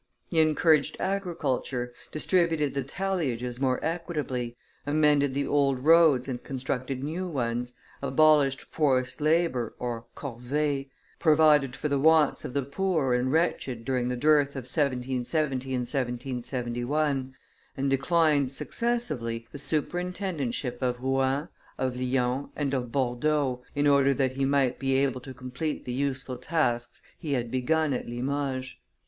He encouraged agriculture, distributed the talliages more equitably, amended the old roads and constructed new ones, abolished forced labor (corvees), provided for the wants of the poor and wretched during the dearth of 1770 and 1771, and declined, successively, the superintendentship of Rouen, of Lyons, and of Bordeaux, in order that he might be able to complete the useful tasks he had begun at Limoges.